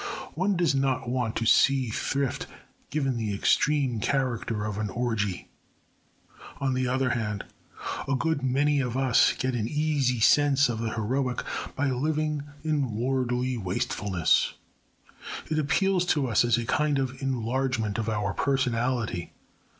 One does not want to see thrift given the extreme character of an orgy. On the other hand, a good many of us get an easy sense of the heroic by living in lordly wastefulness. It appeals to us as a kind of enlargement of our personality.